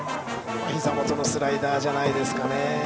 ひざ元のスライダーじゃないですか。